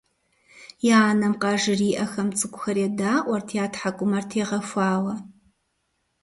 Я анэм къажриӀэхэм цӀыкӀухэр едаӀуэрт я тхьэкӀумэхэр тегъэхуауэ.